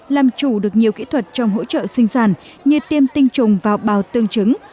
làm chủ được nhiều kỹ thuật trong hỗ trợ sinh sản như tiêm tinh trùng vào bào tương chứng